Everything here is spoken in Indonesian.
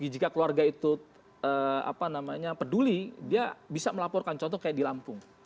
jika keluarga itu peduli dia bisa melaporkan contoh kayak di lampung